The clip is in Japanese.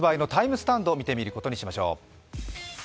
スタンドを見てみることにいたしましょう。